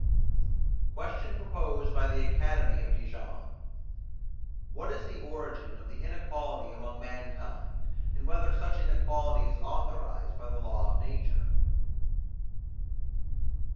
QUESTION PROPOSED BY THE ACADEMY OF DIJON What is the Origin of the Inequality among Mankind; and whether such Inequality is authorized by the Law of Nature?